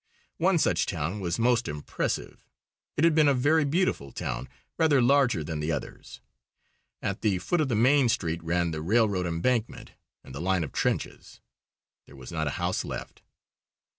One such town was most impressive. It had been a very beautiful town, rather larger than the others. At the foot of the main street ran the railroad embankment and the line of trenches. There was not a house left.